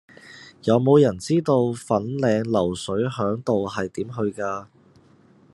有無人知道粉嶺流水響道係點去㗎